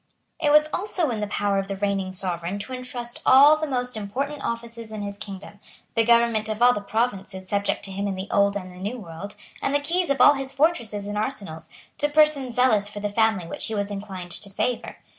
It was also in the power of the reigning sovereign to entrust all the most important offices in his kingdom, the government of all the provinces subject to him in the Old and in the New World, and the keys of all his fortresses and arsenals, to persons zealous for the family which he was inclined to favour.